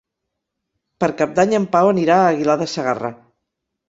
Per Cap d'Any en Pau anirà a Aguilar de Segarra.